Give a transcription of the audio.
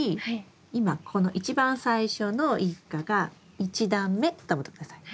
今この一番最初の一果が１段目と思って下さい。